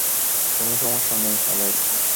কোন সমস্যা নেই, অ্যালেক্স।